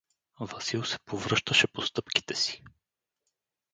Васил се повръщаше по стъпките си.